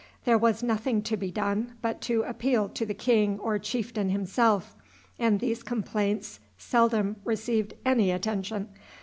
There was nothing to be done but to appeal to the king or chieftain himself, and these complaints seldom received any attention.